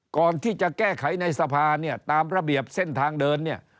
ก่อนที่จะแก้ไขในสภาเนี่ยตามระเบียบเส้นทางเดินเนี่ย